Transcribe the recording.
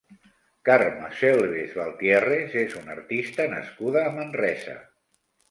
Carme Selves Baltièrrez és una artista nascuda a Manresa.